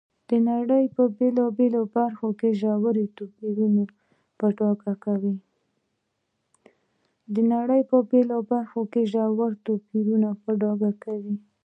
د نړۍ په بېلابېلو برخو کې ژور توپیرونه په ډاګه کوي.